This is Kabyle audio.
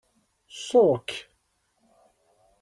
Ṣukk.